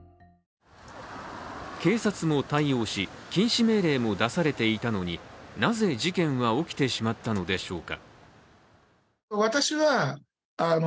警察も対応し、禁止命令も出されていたのになぜ事件は起きてしまったのでしょうか。